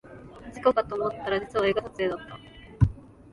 事故かと思ったら実は映画撮影だった